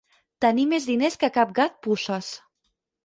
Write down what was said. Tenir més diners que cap gat puces.